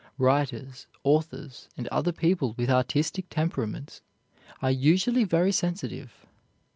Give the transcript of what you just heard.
Writers, authors, and other people with artistic temperaments, are usually very sensitive.